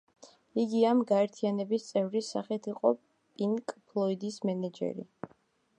იგი ამ გაერთიანების წევრის სახით იყო პინკ ფლოიდის მენეჯერი.